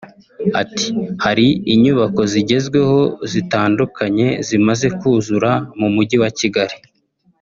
Ati “Hari inyubako zigezweho zitandukanye zimaze kuzura mu Mujyi wa Kigali [